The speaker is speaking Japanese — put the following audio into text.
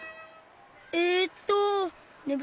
えっとね